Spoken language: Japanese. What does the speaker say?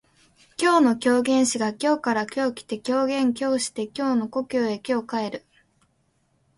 今日の狂言師が京から今日来て狂言今日して京の故郷へ今日帰る